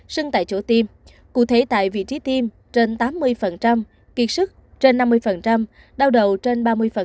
sưng tại chỗ tiêm cụ thể tại vị trí tiêm trên tám mươi kiệt sức trên năm mươi đau đầu trên ba mươi